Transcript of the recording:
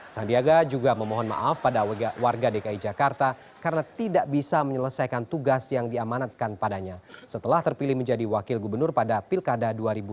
sandiaga juga memohon maaf pada warga dki jakarta karena tidak bisa menyelesaikan tugas yang diamanatkan padanya setelah terpilih menjadi wakil gubernur pada pilkada dua ribu delapan belas